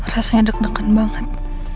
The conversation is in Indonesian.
rasanya deg degan banget